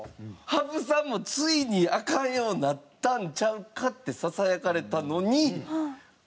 羽生さんもついにアカンようなったんちゃうかってささやかれたのに。